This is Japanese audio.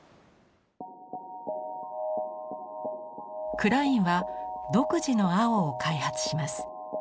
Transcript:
クラインは独自の青を開発します。